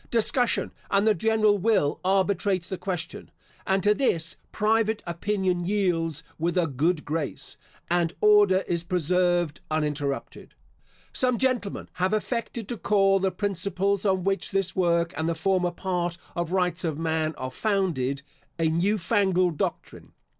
Discussion and the general will arbitrates the question, and to this, private opinion yields with a good grace, and order is preserved uninterrupted. Some gentlemen have affected to call the principles upon which this work and the former part of Rights of Man are founded, "a new fangled doctrine."